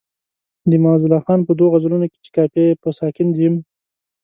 د معزالله خان په دوو غزلونو کې چې قافیه یې په ساکن جیم.